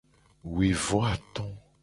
Wi vo ato.